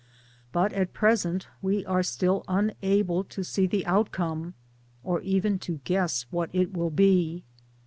But at present we are still unable to see the outcome, or even to guess what it will be.